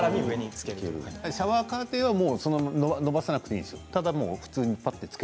シャワーカーテンを伸ばさなくていいんですか？